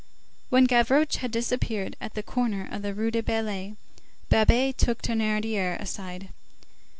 When Gavroche had disappeared at the corner of the Rue des Ballets, Babet took Thénardier aside.